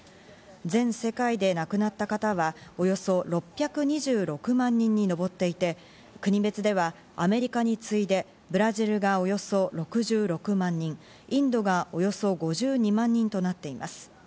全世界で亡くなった方はおよそ６２６万人に上っていって、国別ではアメリカに次いでブラジルがおよそ６６万人、インドがおよそ５２万人となっています。